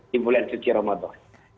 di bulan suci ramadan